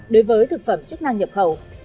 đối với thực phẩm chức năng nhập khẩu